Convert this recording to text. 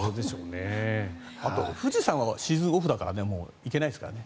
富士山はシーズンオフだからもう行けないですからね。